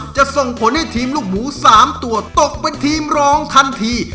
ส่งผลให้ทีมลูกหมู๓ตัวตกเป็นทีมรองทันที